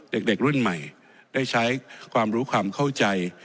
เด็กรุ่นใหม่ได้ใช้ความรู้ความเข้าใจ